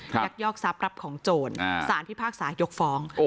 ยักยอกทรัพย์รับของโจรสารพิพากษายกฟ้อง